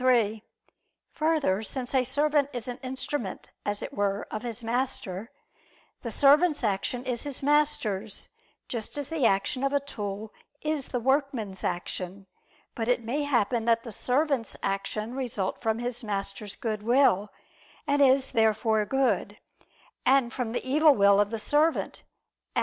3: Further, since a servant is an instrument, as it were, of his master, the servant's action is his master's, just as the action of a tool is the workman's action. But it may happen that the servant's action result from his master's good will, and is therefore good: and from the evil will of the servant, and is therefore evil.